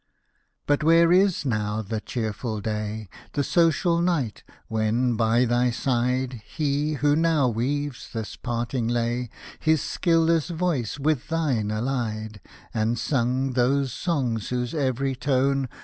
But, where is now the cheerful day, The social night, when, by thy side. He, who now weaves this parting lay. His skilless voice with thine allied ; And sung those songs whose every tone.